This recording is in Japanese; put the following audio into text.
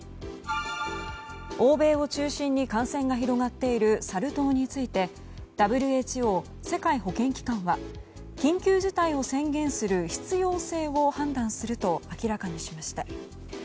欧米を中心に感染が広がっているサル痘についてＷＨＯ・世界保健機関は緊急事態を宣言する必要性を判断すると明らかにしました。